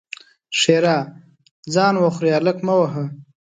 ښېرا: ځان وخورې؛ هلک مه وهه!